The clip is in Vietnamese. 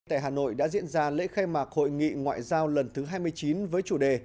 tại hà nội đã diễn ra lễ khai mạc hội nghị ngoại giao lần thứ hai mươi chín với chủ đề